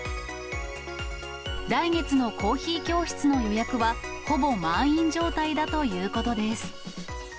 来月のコーヒー教室の予約は、ほぼ満員状態だということです。